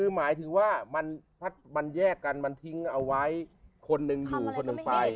คือหมายถึงว่ามันแยกกันมันทิ้งเอาไว้คนหนึ่งอยู่คนหนึ่งไป